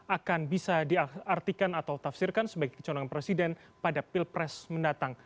akan bisa diartikan atau tafsirkan sebagai kecolongan presiden pada pilpres mendatang